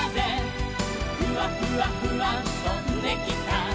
「フワフワフワとんできた」